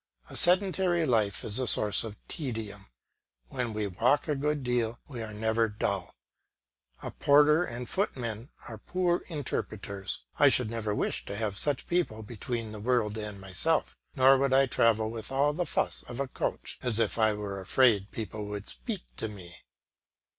A sedentary life is the source of tedium; when we walk a good deal we are never dull. A porter and footmen are poor interpreters, I should never wish to have such people between the world and myself, nor would I travel with all the fuss of a coach, as if I were afraid people would speak to me.